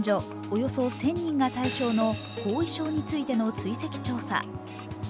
およそ１０００人が対象の後遺症についての追跡調査。